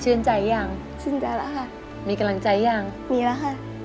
ชื่นใจหรือยังชื่นใจแล้วค่ะมีกำลังใจหรือยังมีแล้วค่ะ